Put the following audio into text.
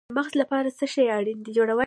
د مغز لپاره څه شی اړین دی؟